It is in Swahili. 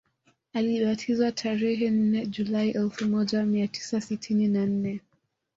Alibatizwa tarehe nne julai elfu moja mia tisa sitini na nne